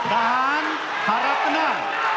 tahan harap tenang